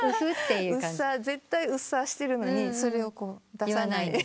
絶対うっさしてるのにそれを出さない。